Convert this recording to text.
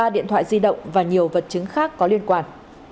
ba điện thoại di động và nhiều vật chứng khác có liên quan